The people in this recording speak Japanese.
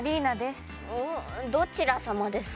どちらさまですか？